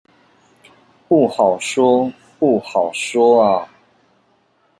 不好說，不好說阿